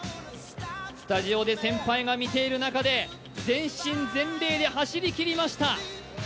スタジオで先輩が見ている中で全身全霊で走りきりました。